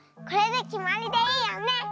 これできまりでいいよね！